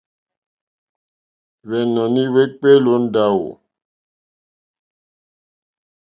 Hwɛ́nɔ̀ní hwékpéélì ó ndáwò.